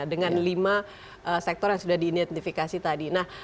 dengan lima sektor yang sudah diidentifikasi tadi